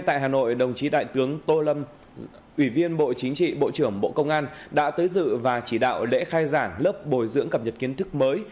tại hà nội đồng chí đại tướng tô lâm ủy viên bộ chính trị bộ trưởng bộ công an đã tới dự và chỉ đạo lễ khai giảng lớp bồi dưỡng cập nhật kiến thức mới